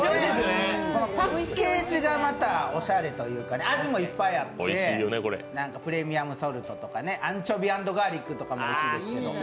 パッケージがまたおしゃれというか、味がいっぱいあって、なんかプレミアムソルトとかアンチョビアンドガーリックとかもおいしい。